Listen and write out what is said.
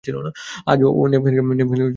আজও ও ন্যাপকিনকে চামচ বলছে।